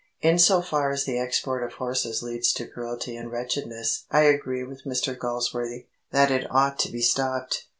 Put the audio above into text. In so far as the export of horses leads to cruelty and wretchedness I agree with Mr Galsworthy that it ought to be stopped.